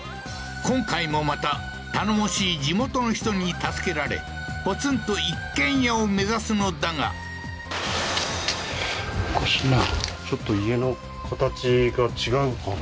今回もまた頼もしい地元の人に助けられポツンと一軒家を目指すのだがおかしいなちょっと家の形が違うかな？